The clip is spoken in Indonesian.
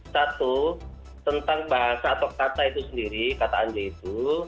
satu tentang bahasa atau kata itu sendiri kata anjay itu